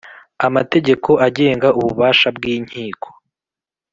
amategeko agenga ububasha bw Inkiko